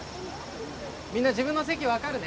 みんな自分の席分かるね？